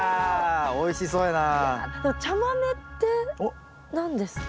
おいしそうやな。